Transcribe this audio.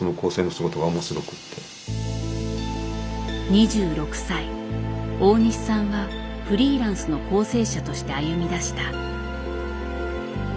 ２６歳大西さんはフリーランスの校正者として歩みだした。